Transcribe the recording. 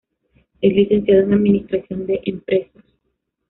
Es licenciado en Administración de Empresas.